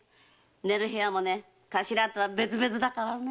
寝る部屋も頭とは別々だからね。